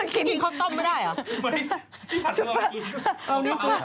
กินข้าวต้มไม่ได้เหรอ